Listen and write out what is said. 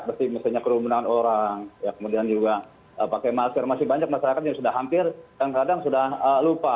seperti misalnya kerumunan orang kemudian juga pakai masker masih banyak masyarakat yang sudah hampir kadang sudah lupa